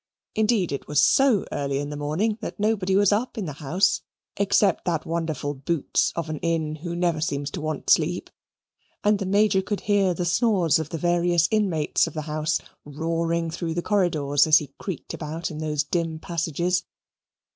Indeed, it was so early in the morning that nobody was up in the house except that wonderful Boots of an inn who never seems to want sleep; and the Major could hear the snores of the various inmates of the house roaring through the corridors as he creaked about in those dim passages.